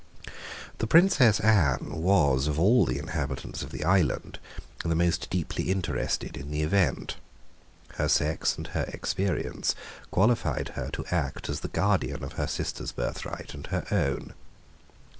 The Princess Anne was, of all the inhabitants of the island, the most deeply interested in the event. Her sex and her experience qualified her to act as the guardian of her sister's birthright and her own.